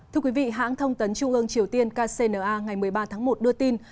thưa quý vị hãng thông tấn trung ương triều tiên kcna ngày một mươi ba tháng một đưa tin